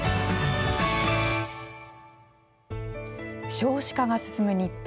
少子化が進む日本。